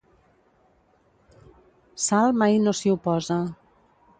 Sal mai no s'hi oposa.